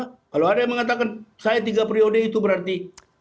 kalau ada yang mengatakan saya tiga periode itu berarti